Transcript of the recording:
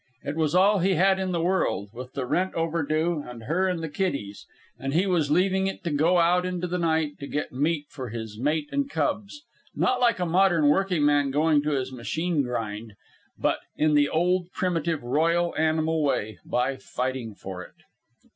It was all he had in the world, with the rent overdue, and her and the kiddies. And he was leaving it to go out into the night to get meat for his mate and cubs not like a modern working man going to his machine grind, but in the old, primitive, royal, animal way, by fighting for it.